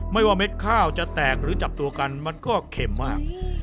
ไม่ว่าเม็ดข้าวจะแตกหรือจับตัวกันมันก็เข็มมาก